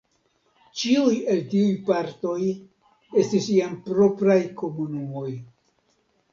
Ĉiuj el tiuj partoj estis iam propraj komunumoj.